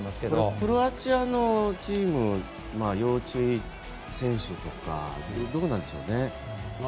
クロアチアのチーム要注意選手はどうなんでしょう。